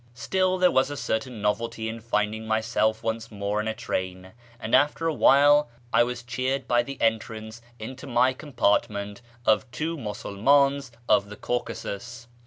Still there was a certain novelty in finding myself once more in a train, and after a while I was cheered by the entrance into my compart ment of two ]\Iusulmans of the Caucasus.